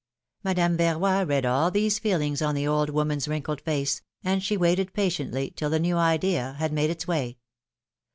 Madame Verroy read all these feelings on the old woman's wrinkled face, and she waited patiently till the new idea had made its way.